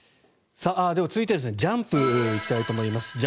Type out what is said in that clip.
では、続いてジャンプに行きたいと思います。